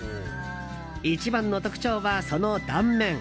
一番の特徴はその断面。